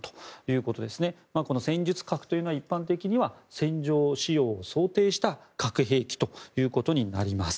この戦術核というのは一般的には戦場使用を想定した核兵器ということになります。